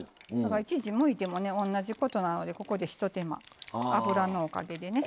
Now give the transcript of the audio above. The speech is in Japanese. いちいち、むいても同じことなのでここで、ひと手間油のおかげでね。